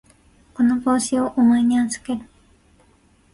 この帽子をお前に預ける。